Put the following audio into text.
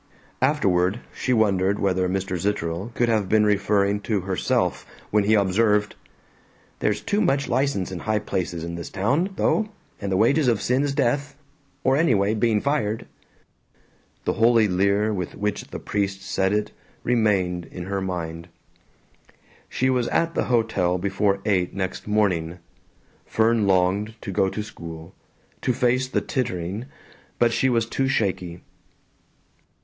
Afterward she wondered whether Mr. Zitterel could have been referring to herself when he observed, "There's too much license in high places in this town, though, and the wages of sin is death or anyway, bein' fired." The holy leer with which the priest said it remained in her mind. She was at the hotel before eight next morning. Fern longed to go to school, to face the tittering, but she was too shaky.